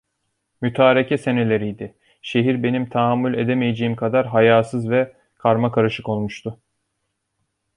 Mütareke seneleriydi, şehir benim tahammül edemeyeceğim kadar hayâsız ve karmakarışık olmuştu.